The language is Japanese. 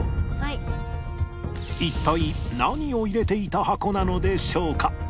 一体何を入れていた箱なのでしょうか？